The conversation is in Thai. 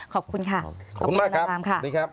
ขอบคุณค่ะขอบคุณมากครับสวัสดีครับ